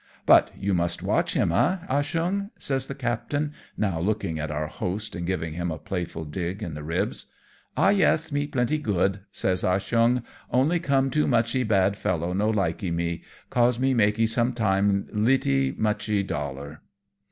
"But you must watch him, eh, Ah Cheong ?" says the captain, now looking at our host and giving him a playful dig in the ribs. " Ah yes, me plentee good," says Ah Cheong, " only some too muchee bad fellow no likee me, cause me makes some time littee muchee dollar.''